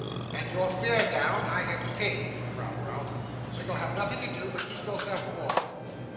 'And your fare down, I have paid,' growled Ralph. 'So, you'll have nothing to do but keep yourself warm.